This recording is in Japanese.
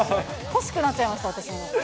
欲しくなっちゃいました、私も。